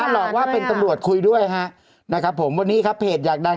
หลอกว่าเป็นตำรวจคุยด้วยฮะนะครับผมวันนี้ครับเพจอยากดัง